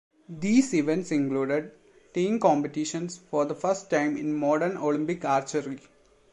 These events included team competitions for the first time in modern Olympic archery.